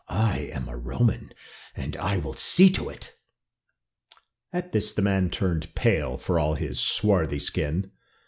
"I am a Roman, and I will see to it." At this the man turned pale, for all his swarthy skin.